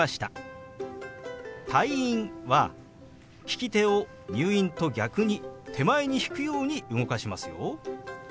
「退院」は利き手を「入院」と逆に手前に引くように動かしますよ。